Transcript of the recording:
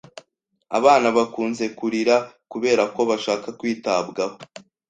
Abana bakunze kurira kubera ko bashaka kwitabwaho.